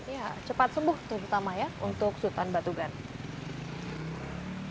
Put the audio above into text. ya cepat sembuh terutama ya untuk sultan batu gana